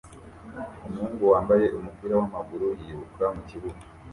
Umuhungu wambaye umupira wamaguru yiruka mukibuga